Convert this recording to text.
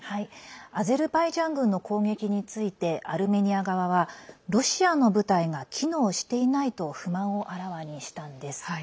アゼルバイジャン軍の攻撃について、アルメニア側はロシアの部隊が機能していないと不満をあらわにしたんです。